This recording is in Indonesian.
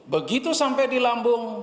begitu sampai di lambung